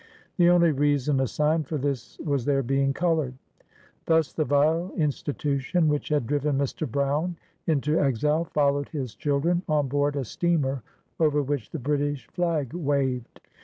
The only reason assigned for this was their being colored! Thus the vile institution which had driven Mr. Brown into exile, followed his children on board a steamer over which the British flag waved.